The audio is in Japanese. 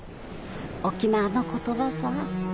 沖縄の言葉さ。